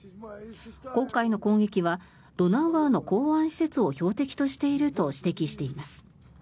今回の攻撃はドナウ川の港湾施設を標的としていると指摘しています。